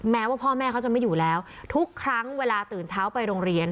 แม้ว่าพ่อแม่เขาจะไม่อยู่แล้วทุกครั้งเวลาตื่นเช้าไปโรงเรียน